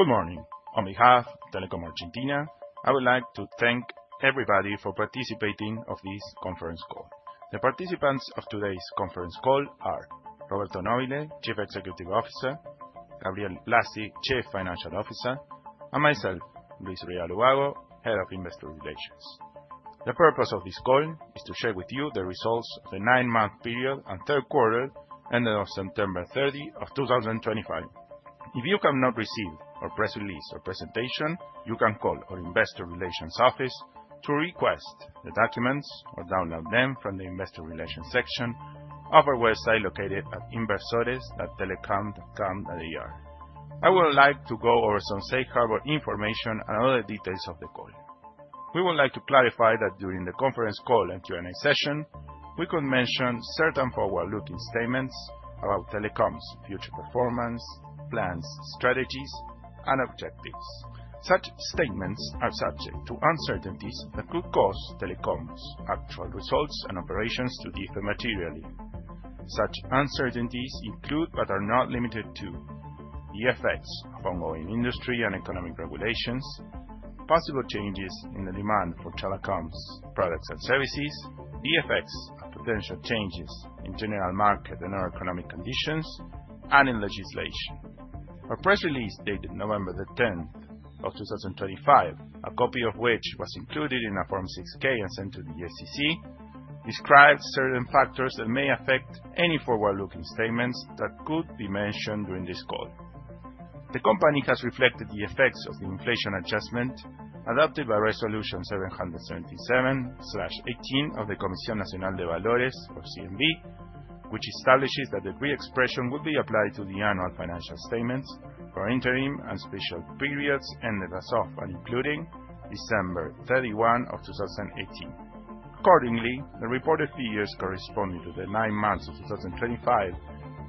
Good morning. On behalf of Telecom Argentina, I would like to thank everybody for participating in this conference call. The participants of today's conference call are Roberto Nobile, Chief Executive Officer; Gabriel Blasi, Chief Financial Officer; and myself, Luis Rial Ubago, Head of Investor Relations. The purpose of this call is to share with you the results of the nine-month period until quarter ended on September 30, 2025. If you have not received our press release or presentation, you can call our Investor Relations Office to request the documents or download them from the Investor Relations section of our website located at inversores.telecom.com.ar. I would like to go over some safe harbor information and other details of the call. We would like to clarify that during the conference call and Q&A session, we could mention certain forward-looking statements about Telecom's future performance, plans, strategies, and objectives. Such statements are subject to uncertainties that could cause Telecom Argentina's actual results and operations to differ materially. Such uncertainties include but are not limited to: the effects of ongoing industry and economic regulations, possible changes in the demand for Telecom Argentina's products and services, the effects of potential changes in general market and/or economic conditions, and in legislation. Our press release, dated November 10, 2025, a copy of which was included in a Form 6-K and sent to the SEC, describes certain factors that may affect any forward-looking statements that could be mentioned during this call. The company has reflected the effects of the inflation adjustment adopted by Resolution 777/18 of the Comisión Nacional de Valores, or CNV, which establishes that the re-expression would be applied to the annual financial statements for interim and special periods ended as of and including December 31, 2018. Accordingly, the reported figures corresponding to the nine months of 2025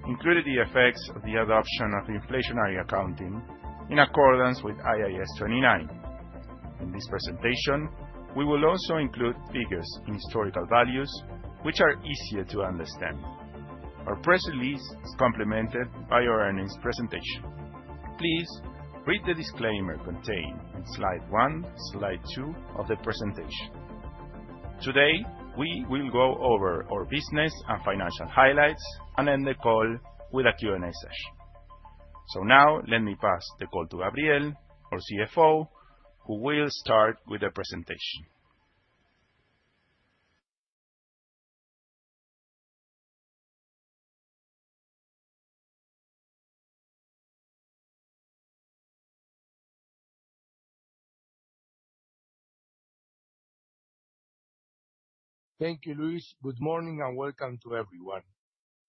include the effects of the adoption of inflationary accounting in accordance with IAS 29. In this presentation, we will also include figures in historical values, which are easier to understand. Our press release is complemented by our earnings presentation. Please read the disclaimer contained in slide one, slide two of the presentation. Today, we will go over our business and financial highlights and end the call with a Q&A session. Now, let me pass the call to Gabriel, our CFO, who will start with the presentation. Thank you, Luis. Good morning and welcome to everyone.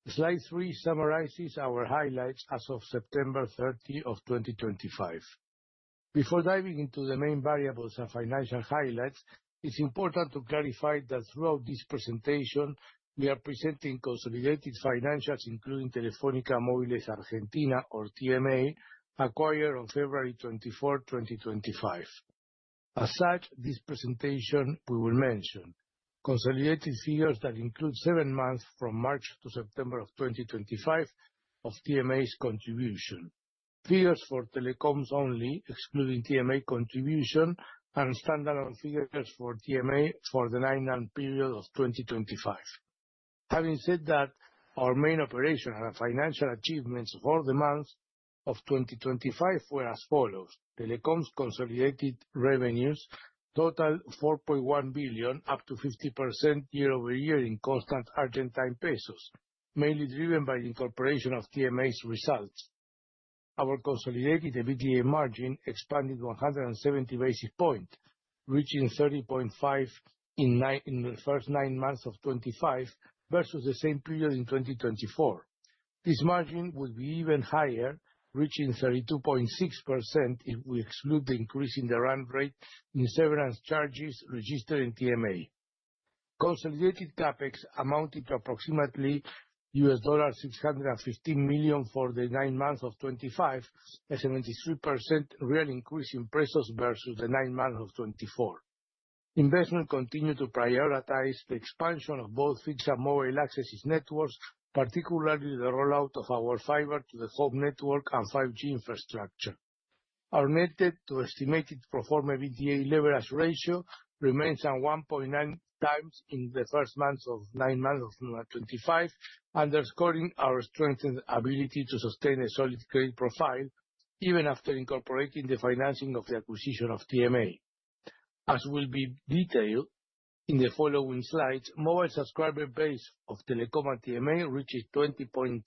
Slide 3 summarizes our highlights as of September 30, 2025. Before diving into the main variables and financial highlights, it's important to clarify that throughout this presentation, we are presenting consolidated financials, including Telefónica Móviles Argentina, or TMA, acquired on February 24, 2025. As such, in this presentation, we will mention consolidated figures that include seven months from March to September of 2025 of TMA's contribution, figures for Telecom Argentina only, excluding TMA contribution, and standalone figures for TMA for the nine-month period of 2025. Having said that, our main operational and financial achievements for the month of 2025 were as follows: Telecom Argentina's consolidated revenues totaled 4.1 billion, up to 50% year-over-year in constant Argentine pesos, mainly driven by the incorporation of TMA's results. Our consolidated EBITDA margin expanded 170 basis points, reaching 30.5% in the first nine months of 2025 versus the same period in 2024. This margin would be even higher, reaching 32.6% if we exclude the increase in the run rate in severance charges registered in TMA. Consolidated CAPEX amounted to approximately $615 million for the nine months of 2025, a 73% real increase in pesos versus the nine months of 2024. Investment continued to prioritize the expansion of both fixed and mobile access networks, particularly the rollout of our fiber to the home network and 5G infrastructure. Our netted to estimated proforma EBITDA leverage ratio remains at 1.9 times in the first nine months of 2025, underscoring our strengthened ability to sustain a solid trade profile even after incorporating the financing of the acquisition of TMA. As will be detailed in the following slides, the mobile subscriber base of Telecom and TMA reaches 20.3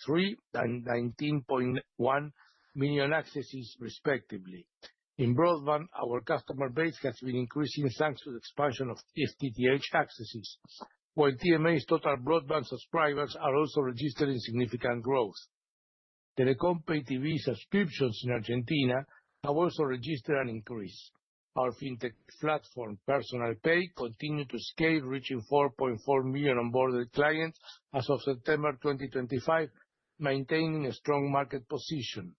and 19.1 million accesses, respectively. In broadband, our customer base has been increasing thanks to the expansion of FTTH accesses, while TMA's total broadband subscribers are also registering significant growth. Telecom pay TV subscriptions in Argentina have also registered an increase. Our fintech platform, Personal Pay, continued to scale, reaching 4.4 million onboarded clients as of September 2025, maintaining a strong market position.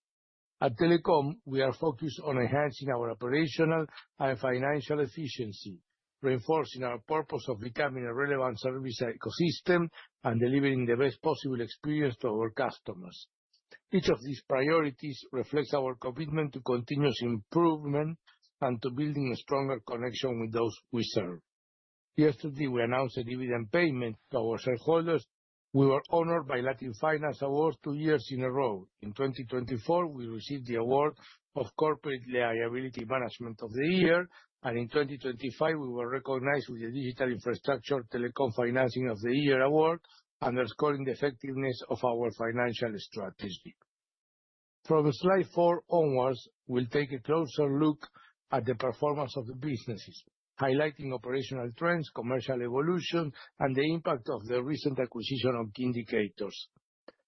At Telecom, we are focused on enhancing our operational and financial efficiency, reinforcing our purpose of becoming a relevant service ecosystem and delivering the best possible experience to our customers. Each of these priorities reflects our commitment to continuous improvement and to building a stronger connection with those we serve. Yesterday, we announced a dividend payment to our shareholders. We were honored by Latin Finance Awards two years in a row. In 2024, we received the award of Corporate Liability Management of the Year, and in 2025, we were recognized with the Digital Infrastructure Telecom Financing of the Year award, underscoring the effectiveness of our financial strategy. From slide four onwards, we'll take a closer look at the performance of the businesses, highlighting operational trends, commercial evolution, and the impact of the recent acquisition of indicators.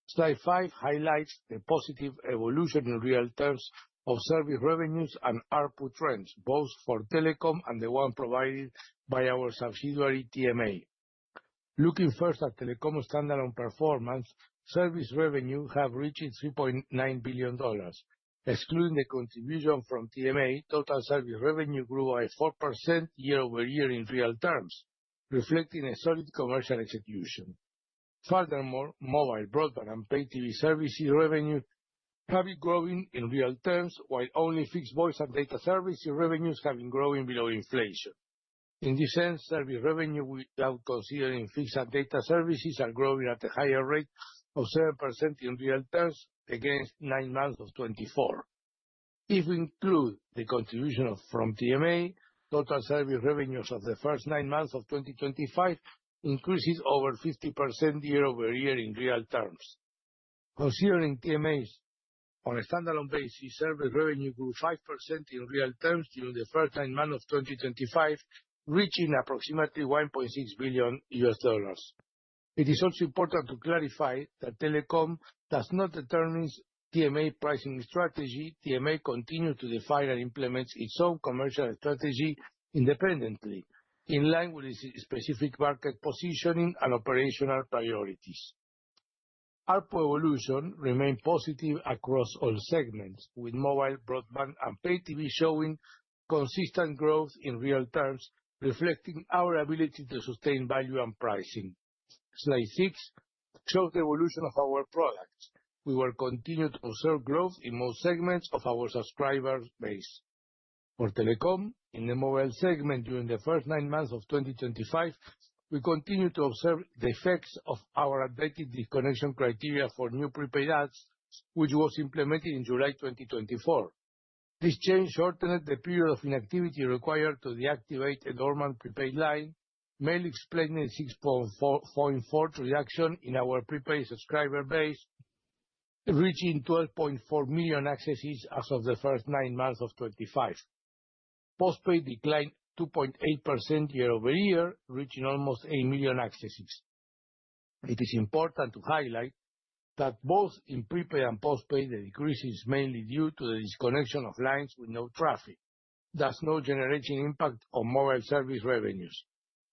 Slide five highlights the positive evolution in real terms of service revenues and output trends, both for Telecom and the one provided by our subsidiary TMA. Looking first at Telecom's standalone performance, service revenues have reached $3.9 billion. Excluding the contribution from TMA, total service revenue grew by four percent year-over-year in real terms, reflecting a solid commercial execution. Furthermore, mobile, broadband, and pay TV services revenues have been growing in real terms, while only fixed voice and data services revenues have been growing below inflation. In this sense, service revenue, without considering fixed and data services, are growing at a higher rate of seven percent in real terms against nine months of 2024. If we include the contribution from TMA, total service revenues of the first nine months of 2025 increased over 50% year-over-year in real terms. Considering TMA's on a standalone basis, service revenue grew five percent in real terms during the first nine months of 2025, reaching approximately $1.6 billion. It is also important to clarify that Telecom does not determine TMA's pricing strategy. TMA continues to define and implement its own commercial strategy independently, in line with its specific market positioning and operational priorities. Our evolution remained positive across all segments, with mobile, broadband, and pay TV showing consistent growth in real terms, reflecting our ability to sustain value and pricing. Slide six shows the evolution of our products. We will continue to observe growth in most segments of our subscriber base. For Telecom, in the mobile segment during the first nine months of 2025, we continue to observe the effects of our adaptive disconnection criteria for new prepaid ads, which was implemented in July 2024. This change shortened the period of inactivity required to deactivate a dormant prepaid line, mainly explaining a 6.4% reduction in our prepaid subscriber base, reaching 12.4 million accesses as of the first nine months of 2025. Postpaid declined 2.8% year-over-year, reaching almost 8 million accesses. It is important to highlight that both in prepaid and postpaid, the decrease is mainly due to the disconnection of lines with no traffic. There's no generating impact on mobile service revenues.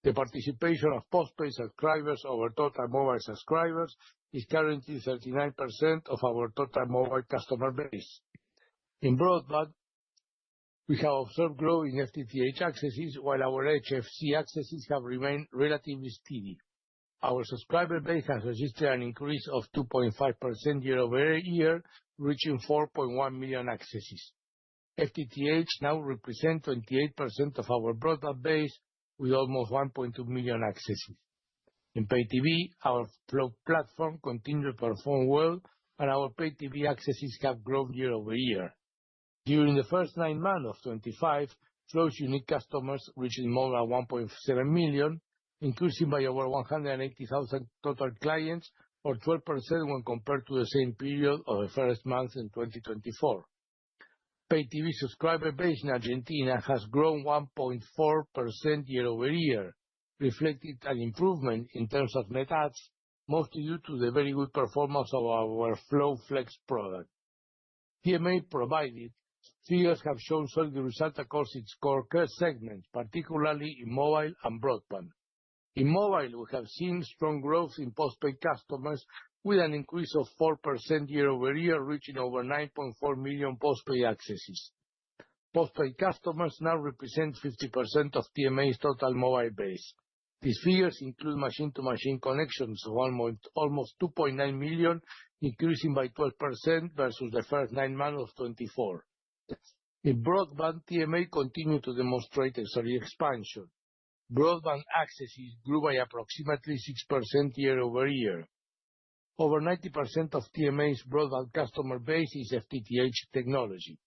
The participation of postpaid subscribers over total mobile subscribers is currently 39% of our total mobile customer base. In broadband, we have observed growing FTTH accesses, while our HFC accesses have remained relatively steady. Our subscriber base has registered an increase of 2.5% year-over-year, reaching 4.1 million accesses. FTTH now represents 28% of our broadband base, with almost 1.2 million accesses. In pay TV, our Flow platform continues to perform well, and our pay TV accesses have grown year-over-year. During the first nine months of 2025, Flow unique customers reached more than 1.7 million, increasing by over 180,000 total clients, or 12% when compared to the same period of the first months in 2024. Pay TV subscriber base in Argentina has grown 1.4% year-over-year, reflecting an improvement in terms of net ads, mostly due to the very good performance of our Flow Flex product. TMA provided figures have shown solid results across its core segments, particularly in mobile and broadband. In mobile, we have seen strong growth in postpaid customers, with an increase of four percent year-over-year, reaching over 9.4 million postpaid accesses. Postpaid customers now represent 50% of TMA's total mobile base. These figures include machine-to-machine connections, almost 2.9 million, increasing by 12% versus the first nine months of 2024. In broadband, TMA continued to demonstrate a solid expansion. Broadband accesses grew by approximately six percent year-over-year. Over 90% of TMA's broadband customer base is FTTH technology.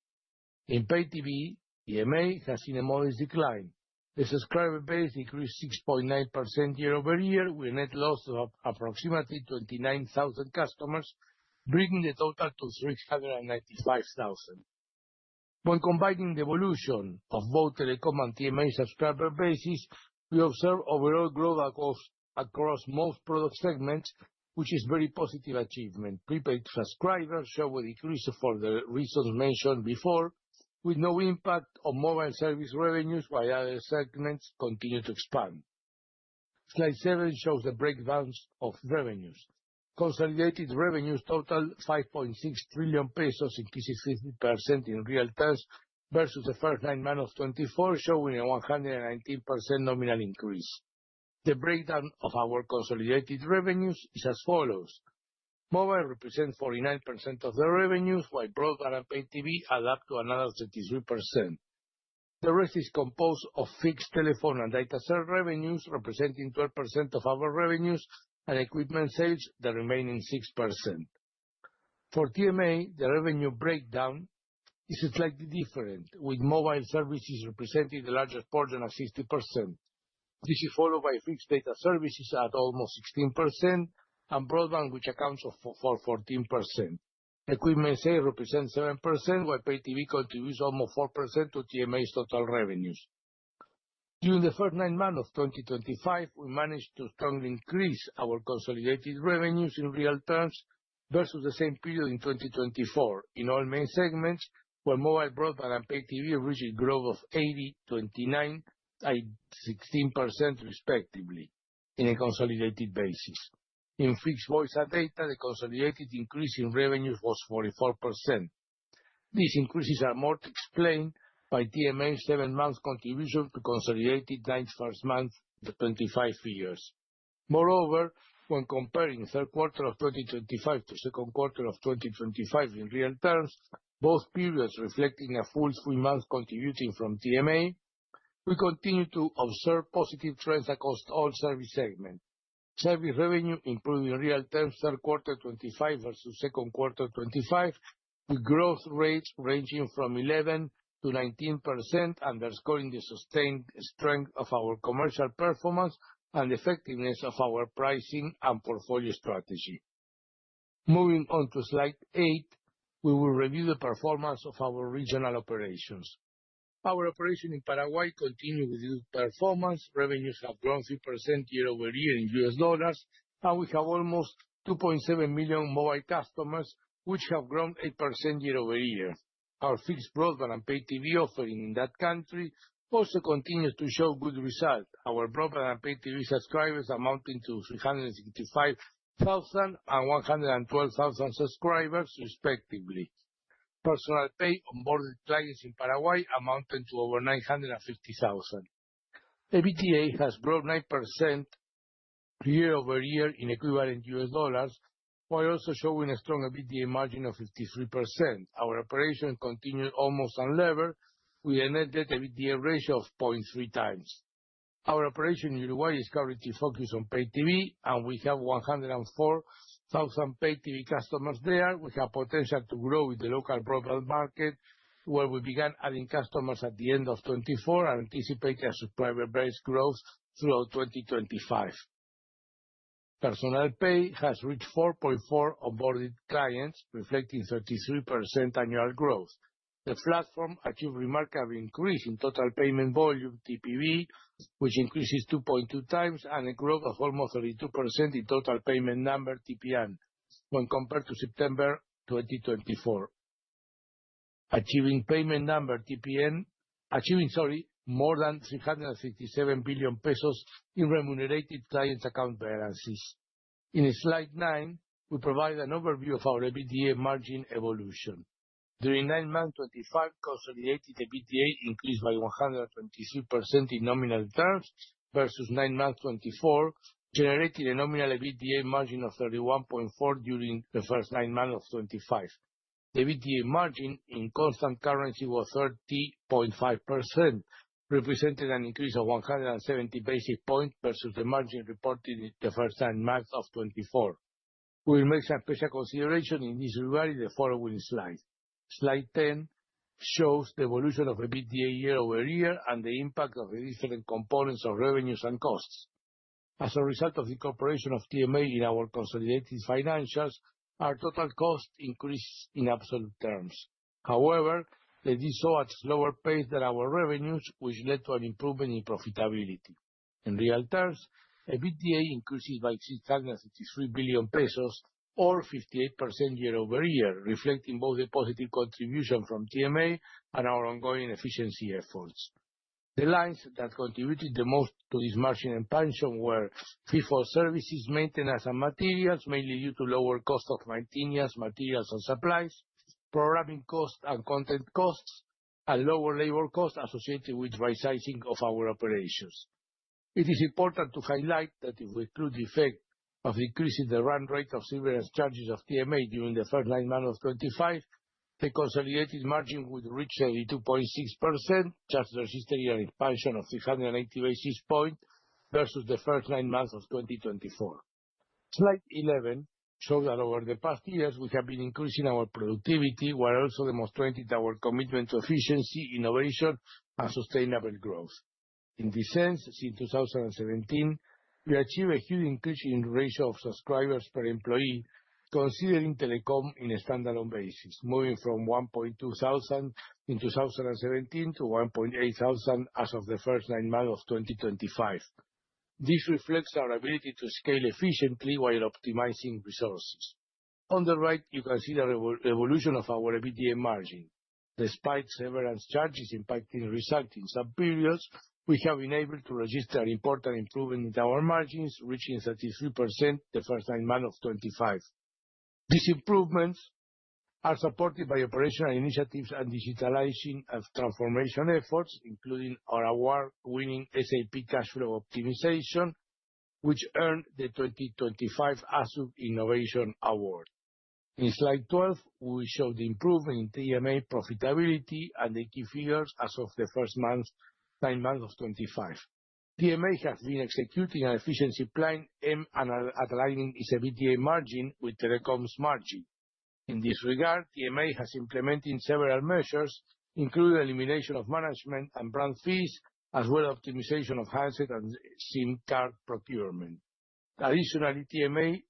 In pay TV, TMA has seen a modest decline. The subscriber base decreased 6.9% year-over-year, with net loss of approximately 29,000 customers, bringing the total to 395,000. When combining the evolution of both Telecom and TMA subscriber bases, we observe overall growth across most product segments, which is a very positive achievement. Prepaid subscribers show a decrease for the reasons mentioned before, with no impact on mobile service revenues, while other segments continue to expand. Slide seven shows the breakdown of revenues. Consolidated revenues totaled 5.6 trillion pesos, increasing 50% in real terms versus the first nine months of 2024, showing a 119% nominal increase. The breakdown of our consolidated revenues is as follows. Mobile represents 49% of the revenues, while broadband and pay TV add up to another 33%. The rest is composed of fixed telephone and data cell revenues, representing 12% of our revenues, and equipment sales, the remaining six percent. For TMA, the revenue breakdown is slightly different, with mobile services representing the largest portion at 60%. This is followed by fixed data services at almost 16% and broadband, which accounts for 14%. Equipment sales represent seven percent, while pay TV contributes almost four percent to TMA's total revenues. During the first nine months of 2025, we managed to strongly increase our consolidated revenues in real terms versus the same period in 2024. In all main segments, where mobile, broadband, and pay TV reached a growth of 80%, 29%, and 16%, respectively, on a consolidated basis. In fixed voice and data, the consolidated increase in revenues was 44%. These increases are more to explain by TMA's seven-month contribution to consolidated nine-first months of the 2025 figures. Moreover, when comparing the third quarter of 2025 to the second quarter of 2025 in real terms, both periods reflecting a full three-month contributing from TMA, we continue to observe positive trends across all service segments. Service revenue improved in real terms in the third quarter of 2025 versus the second quarter of 2025, with growth rates ranging from 11% to 19%, underscoring the sustained strength of our commercial performance and effectiveness of our pricing and portfolio strategy. Moving on to slide eight, we will review the performance of our regional operations. Our operations in Paraguay continue with good performance. Revenues have grown three percent year-over-year in US dollars, and we have almost 2.7 million mobile customers, which have grown eight percent year-over-year. Our fixed broadband and pay TV offering in that country also continues to show good results. Our broadband and pay TV subscribers amount to 365,000 and 112,000 subscribers, respectively. Personal Pay onboarded clients in Paraguay amount to over 950,000. EBITDA has grown nine percent year-over-year in equivalent US dollars, while also showing a strong EBITDA margin of 53%. Our operations continue almost unlevered, with a net debt EBITDA ratio of 0.3 times. Our operations in Uruguay is currently focused on pay TV, and we have 104,000 pay TV customers there. We have potential to grow with the local broadband market, where we began adding customers at the end of 2024 and anticipate a subscriber base growth throughout 2025. Personal Pay has reached 4.4 million onboarded clients, reflecting 33% annual growth. The platform achieved a remarkable increase in total payment volume, TPV, which increased 2.2 times and a growth of almost 32% in total payment number, TPN, when compared to September 2024, achieving more than 367 billion pesos in remunerated clients' account balances. In slide nine, we provide an overview of our EBITDA margin evolution. During nine months 2025, consolidated EBITDA increased by 123% in nominal terms versus nine months 2024, generating a nominal EBITDA margin of 31.4% during the first nine months of 2025. The EBITDA margin in constant currency was 30.5%, representing an increase of 170 basis points versus the margin reported in the first nine months of 2024. We will make some special considerations in this regard in the following slides. Slide 10 shows the evolution of EBITDA year-over-year and the impact of the different components of revenues and costs. As a result of the incorporation of TMA in our consolidated financials, our total cost increased in absolute terms. However, the DSO at a slower pace than our revenues, which led to an improvement in profitability. In real terms, EBITDA increases by 633 billion pesos, or 58% year-over-year, reflecting both the positive contribution from TMA and our ongoing efficiency efforts. The lines that contributed the most to this margin expansion were fee-for-services, maintenance, and materials, mainly due to lower costs of maintenance, materials, and supplies, programming costs and content costs, and lower labor costs associated with right-sizing of our operations. It is important to highlight that if we include the effect of decreasing the run rate of service charges of TMA during the first nine months of 2025, the consolidated margin would reach 32.6%, just the registered year expansion of 380 basis points versus the first nine months of 2024. Slide 11 shows that over the past years, we have been increasing our productivity, while also demonstrating our commitment to efficiency, innovation, and sustainable growth. In this sense, since 2017, we achieved a huge increase in the ratio of subscribers per employee, considering Telecom in a standalone basis, moving from 1.2 thousand in 2017 to 1.8 thousand as of the first nine months of 2025. This reflects our ability to scale efficiently while optimizing resources. On the right, you can see the evolution of our EBITDA margin. Despite severance charges impacting results in some periods, we have been able to register an important improvement in our margins, reaching 33% the first nine months of 2025. These improvements are supported by operational initiatives and digitalization and transformation efforts, including our award-winning SAP Cash Flow Optimization, which earned the 2025 ASUP Innovation Award. In slide 12, we show the improvement in TMA profitability and the key figures as of the first nine months of 2025. TMA has been executing an efficiency plan and aligning its EBITDA margin with Telecom's margin. In this regard, TMA has implemented several measures, including the elimination of management and brand fees, as well as optimization of handset and SIM card procurement. Additionally, TMA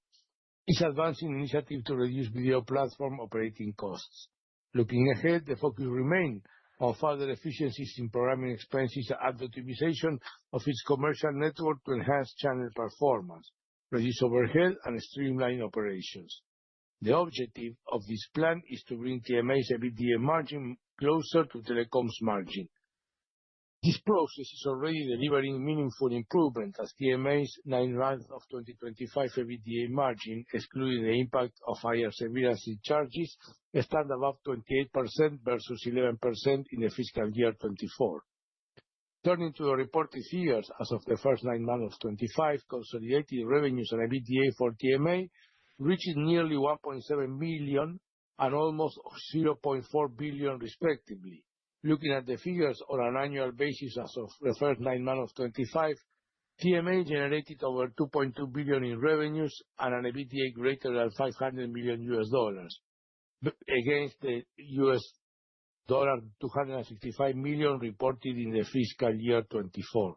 is advancing initiatives to reduce video platform operating costs. Looking ahead, the focus remains on further efficiencies in programming expenses and optimization of its commercial network to enhance channel performance, reduce overhead, and streamline operations. The objective of this plan is to bring TMA's EBITDA margin closer to Telecom's margin. This process is already delivering meaningful improvements as TMA's nine months of 2025 EBITDA margin, excluding the impact of higher severance fee charges, stands above 28% versus 11% in the fiscal year 2024. Turning to the reported figures as of the first nine months of 2025, consolidated revenues and EBITDA for TMA reached nearly $1.7 billion and almost $0.4 billion, respectively. Looking at the figures on an annual basis as of the first nine months of 2025, TMA generated over $2.2 billion in revenues and an EBITDA greater than $500 million, against the $265 million reported in the fiscal year 2024.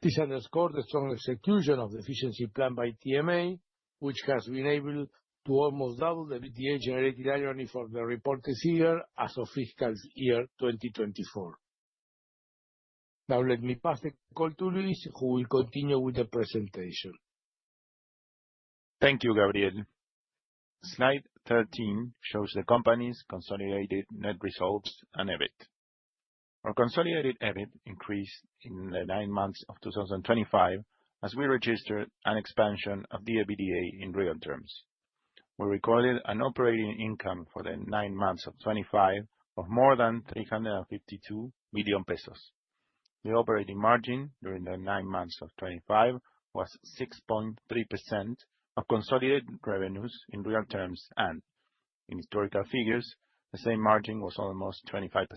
This underscores the strong execution of the efficiency plan by TMA, which has been able to almost double the EBITDA generated annually for the reported figure as of fiscal year 2024. Now, let me pass the call to Luis, who will continue with the presentation. Thank you, Gabriel. Slide 13 shows the company's consolidated net results and EBIT. Our consolidated EBIT increased in the nine months of 2025 as we registered an expansion of the EBITDA in real terms. We recorded an operating income for the nine months of 2025 of more than 352 million pesos. The operating margin during the nine months of 2025 was 6.3% of consolidated revenues in real terms and, in historical figures, the same margin was almost 25%.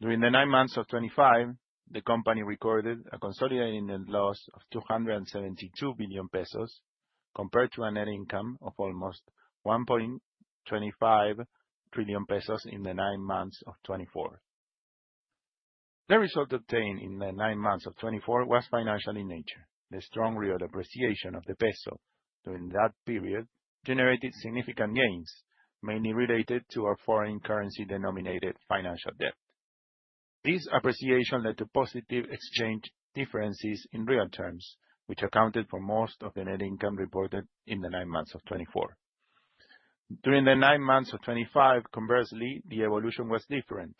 During the nine months of 2025, the company recorded a consolidated net loss of 272 billion pesos, compared to a net income of almost 1.25 trillion pesos in the nine months of 2024. The result obtained in the nine months of 2024 was financial in nature. The strong real appreciation of the peso during that period generated significant gains, mainly related to our foreign currency-denominated financial debt. This appreciation led to positive exchange differences in real terms, which accounted for most of the net income reported in the nine months of 2024. During the nine months of 2025, conversely, the evolution was different,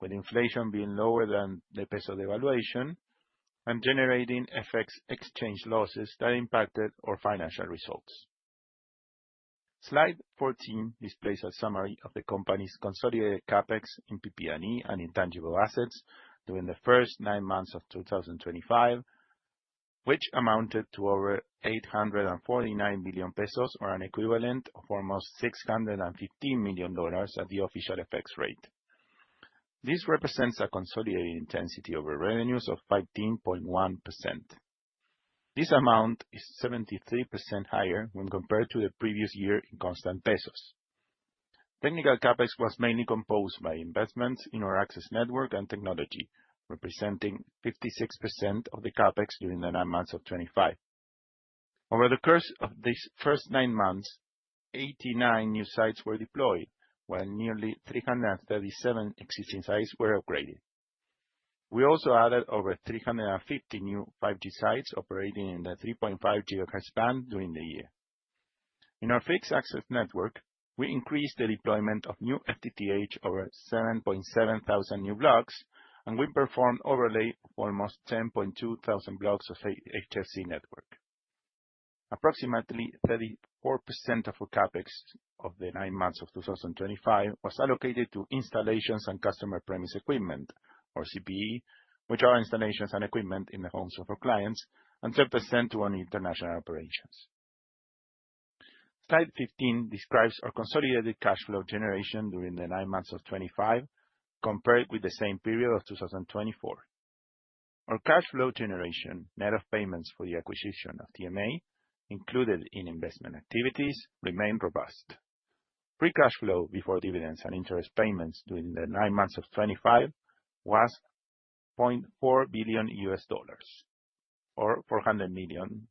with inflation being lower than the peso devaluation and generating FX exchange losses that impacted our financial results. Slide 14 displays a summary of the company's consolidated CAPEX in PP&E and intangible assets during the first nine months of 2025, which amounted to over 849 billion pesos or an equivalent of almost $615 million at the official FX rate. This represents a consolidated intensity over revenues of 15.1%. This amount is 73% higher when compared to the previous year in constant pesos. Technical CAPEX was mainly composed by investments in our access network and technology, representing 56% of the CAPEX during the nine months of 2025. Over the course of these first nine months, 89 new sites were deployed, while nearly 337 existing sites were upgraded. We also added over 350 new 5G sites operating in the 3.5 GHz band during the year. In our fixed access network, we increased the deployment of new FTTH over 7,700 new blocks, and we performed overlay of almost 10.2 thousand blocks of HFC network. Approximately 34% of our CAPEX of the nine months of 2025 was allocated to installations and customer premise equipment, or CPE, which are installations and equipment in the homes of our clients, and three percent to international operations. Slide 15 describes our consolidated cash flow generation during the nine months of 2025, compared with the same period of 2024. Our cash flow generation, net of payments for the acquisition of TMA, included in investment activities, remained robust. Free cash flow before dividends and interest payments during the nine months of 2025 was $0.4 billion, or $400 million.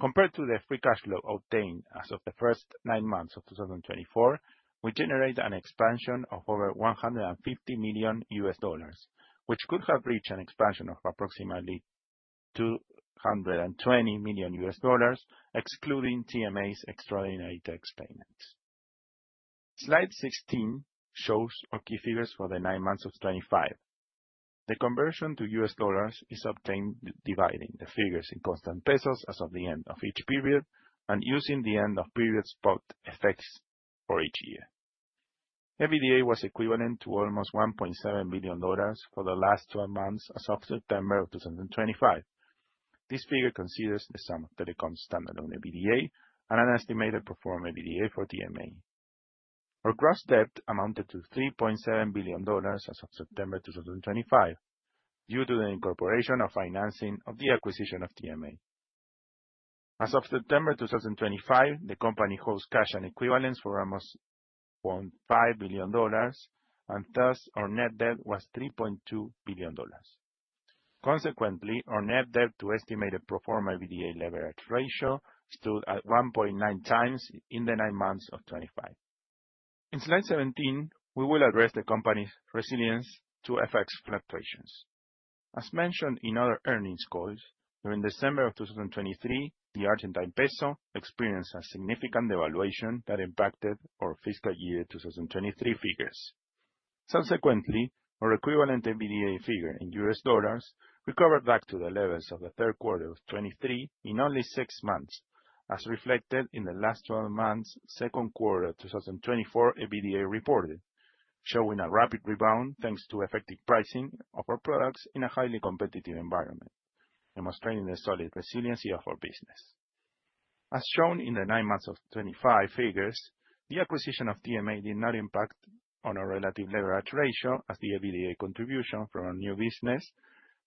Compared to the free cash flow obtained as of the first nine months of 2024, we generate an expansion of over $150 million, which could have reached an expansion of approximately $220 million, excluding TMA's extraordinary tax payments. Slide 16 shows our key figures for the nine months of 2025. The conversion to US dollars is obtained dividing the figures in constant pesos as of the end of each period and using the end-of-period spot FX for each year. EBITDA was equivalent to almost $1.7 billion for the last 12 months as of September of 2025. This figure considers the sum of Telecom's standalone EBITDA and an estimated performance EBITDA for TMA. Our gross debt amounted to $3.7 billion as of September 2025, due to the incorporation of financing of the acquisition of TMA. As of September 2025, the company holds cash and equivalents for almost $1.5 billion, and thus our net debt was $3.2 billion. Consequently, our net debt to estimated performance EBITDA leverage ratio stood at 1.9 times in the nine months of 2025. In slide 17, we will address the company's resilience to FX fluctuations. As mentioned in other earnings calls, during December of 2023, the Argentine peso experienced a significant devaluation that impacted our fiscal year 2023 figures. Subsequently, our equivalent EBITDA figure in US dollars recovered back to the levels of the third quarter of 2023 in only six months, as reflected in the last 12 months' second quarter 2024 EBITDA reported, showing a rapid rebound thanks to effective pricing of our products in a highly competitive environment, demonstrating the solid resiliency of our business. As shown in the nine months of 2025 figures, the acquisition of TMA did not impact on our relative leverage ratio, as the EBITDA contribution from our new business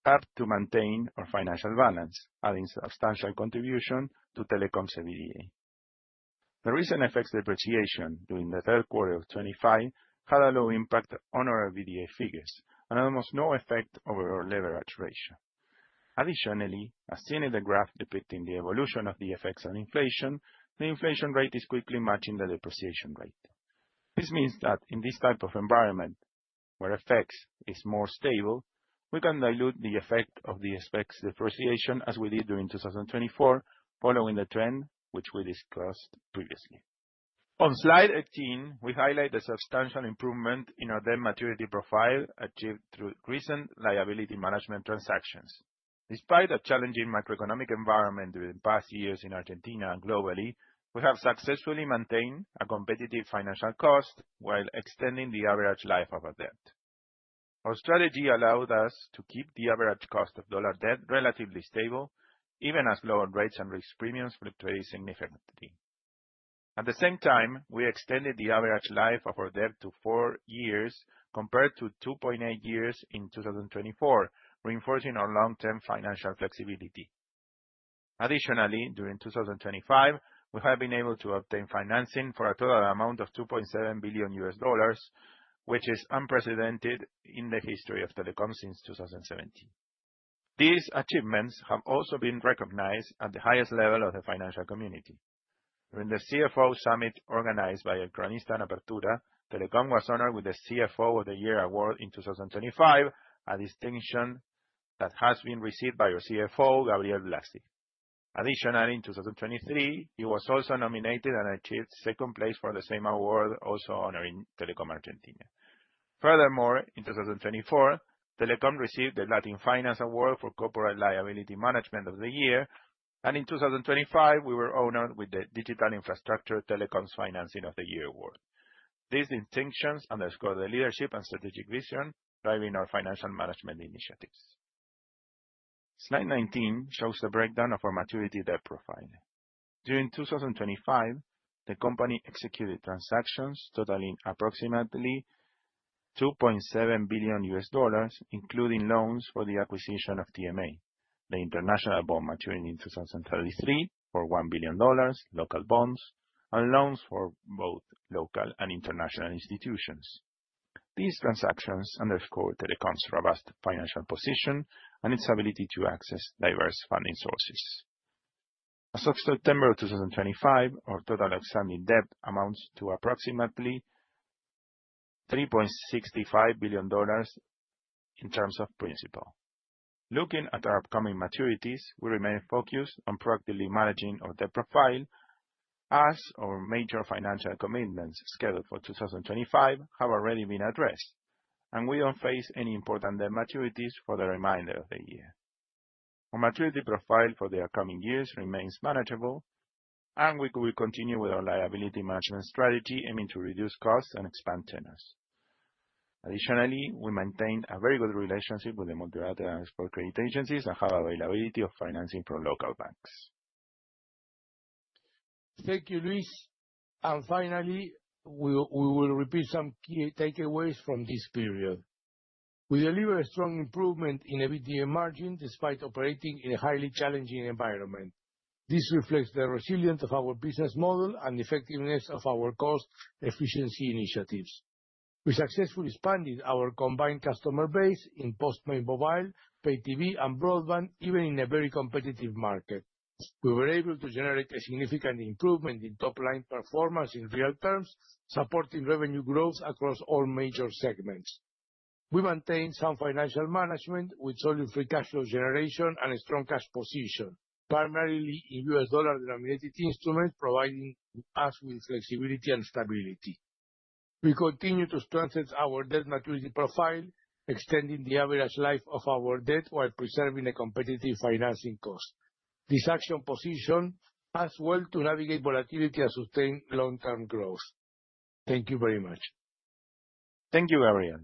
helped to maintain our financial balance, adding a substantial contribution to Telecom's EBITDA. The recent FX depreciation during the third quarter of 2025 had a low impact on our EBITDA figures and almost no effect over our leverage ratio. Additionally, as seen in the graph depicting the evolution of the FX and inflation, the inflation rate is quickly matching the depreciation rate. This means that in this type of environment, where FX is more stable, we can dilute the effect of the FX depreciation as we did during 2024, following the trend which we discussed previously. On slide 18, we highlight the substantial improvement in our debt maturity profile achieved through recent liability management transactions. Despite a challenging macroeconomic environment during the past years in Argentina and globally, we have successfully maintained a competitive financial cost while extending the average life of our debt. Our strategy allowed us to keep the average cost of dollar debt relatively stable, even as loan rates and risk premiums fluctuated significantly. At the same time, we extended the average life of our debt to four years compared to 2.8 years in 2024, reinforcing our long-term financial flexibility. Additionally, during 2025, we have been able to obtain financing for a total amount of $2.7 billion, which is unprecedented in the history of Telecom since 2017. These achievements have also been recognized at the highest level of the financial community. During the CFO Summit organized by El Granista and Apertura, Telecom was honored with the CFO of the Year award in 2025, a distinction that has been received by our CFO, Gabriel Blasi. Additionally, in 2023, he was also nominated and achieved second place for the same award, also honoring Telecom Argentina. Furthermore, in 2024, Telecom received the Latin Finance Award for Corporate Liability Management of the Year, and in 2025, we were honored with the Digital Infrastructure Telecom's Financing of the Year award. These distinctions underscore the leadership and strategic vision driving our financial management initiatives. Slide 19 shows the breakdown of our maturity debt profile. During 2025, the company executed transactions totaling approximately $2.7 billion, including loans for the acquisition of TMA, the international bond maturing in 2033 for one billion dollars, local bonds, and loans for both local and international institutions. These transactions underscore Telecom's robust financial position and its ability to access diverse funding sources. As of September of 2025, our total outstanding debt amounts to approximately $3.65 billion in terms of principal. Looking at our upcoming maturities, we remain focused on proactively managing our debt profile as our major financial commitments scheduled for 2025 have already been addressed, and we do not face any important debt maturities for the remainder of the year. Our maturity profile for the upcoming years remains manageable, and we will continue with our liability management strategy, aiming to reduce costs and expand tenors. Additionally, we maintain a very good relationship with the multilateral and export credit agencies and have availability of financing from local banks. Thank you, Luis. Finally, we will repeat some key takeaways from this period. We deliver a strong improvement in EBITDA margin despite operating in a highly challenging environment. This reflects the resilience of our business model and effectiveness of our cost efficiency initiatives. We successfully expanded our combined customer base in postpaid mobile, pay TV, and broadband, even in a very competitive market. We were able to generate a significant improvement in top-line performance in real terms, supporting revenue growth across all major segments. We maintain sound financial management with solid free cash flow generation and a strong cash position, primarily in US dollar-denominated instruments, providing us with flexibility and stability. We continue to strengthen our debt maturity profile, extending the average life of our debt while preserving a competitive financing cost. This action position has helped to navigate volatility and sustain long-term growth. Thank you very much. Thank you, Gabriel.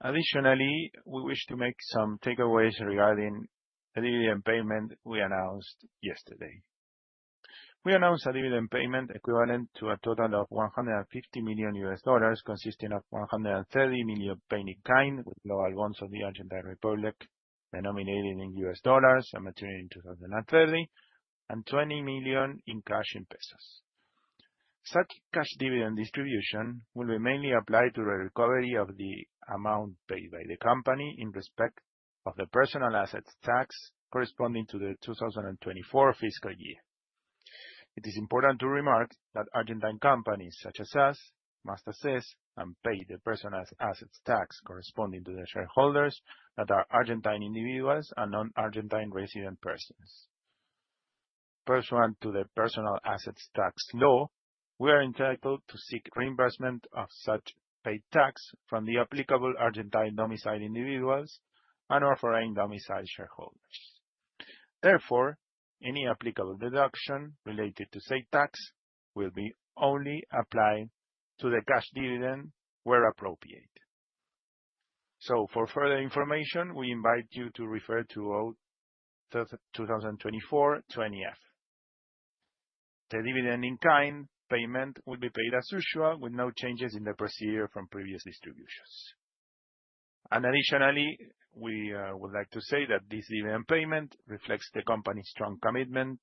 Additionally, we wish to make some takeaways regarding the dividend payment we announced yesterday. We announced a dividend payment equivalent to a total of $150 million, consisting of $130 million in kind with global bonds of the Argentine Republic denominated in US dollars and maturing in 2030, and $20 million in cash in pesos. Such cash dividend distribution will be mainly applied to the recovery of the amount paid by the company in respect of the personal assets tax corresponding to the 2024 fiscal year. It is important to remark that Argentine companies such as us must assess and pay the personal assets tax corresponding to the shareholders that are Argentine individuals and non-Argentine resident persons. Pursuant to the personal assets tax law, we are entitled to seek reimbursement of such paid tax from the applicable Argentine domiciled individuals and our foreign domiciled shareholders. Therefore, any applicable deduction related to state tax will be only applied to the cash dividend where appropriate. For further information, we invite you to refer to all the 2024 20F. The dividend in kind payment will be paid as usual, with no changes in the procedure from previous distributions. Additionally, we would like to say that this dividend payment reflects the company's strong commitment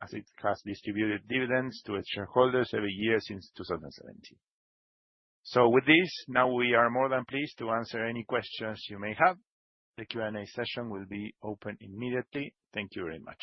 as it has distributed dividends to its shareholders every year since 2017. With this, now we are more than pleased to answer any questions you may have. The Q&A session will be open immediately. Thank you very much.